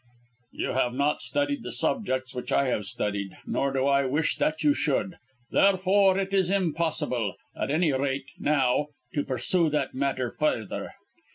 "You have not studied the subjects which I have studied; nor do I wish that you should; therefore it is impossible, at any rate now, to pursue that matter further.